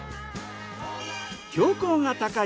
標高が高い